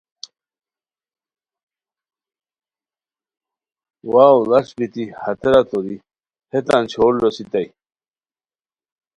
واؤ ڑݰ بی ہتیرا توری ہتیتان چھور لوسیتائے